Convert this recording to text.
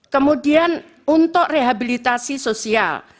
kemudian untuk rehabilitasi sosial